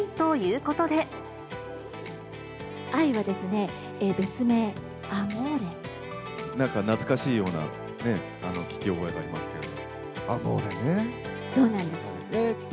愛はですね、なんか懐かしいような、聞き覚えがありますけども。